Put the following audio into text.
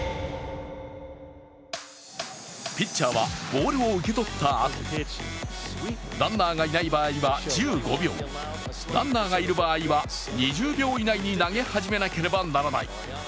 ピッチャーはボールを受け取ったあと、ランナーがいない場合は１５秒、ランナーがいる場合は２０秒以内に投げ始めなければならない。